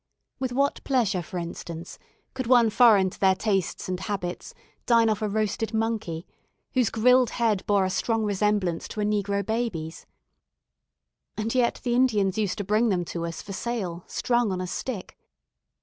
With what pleasure, for instance, could one foreign to their tastes and habits dine off a roasted monkey, whose grilled head bore a strong resemblance to a negro baby's? And yet the Indians used to bring them to us for sale, strung on a stick.